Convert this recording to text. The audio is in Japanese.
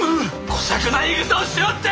こしゃくな言いぐさをしおって！